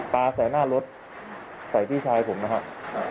ปลาใส่หน้ารถใส่พี่ชายผมนะครับ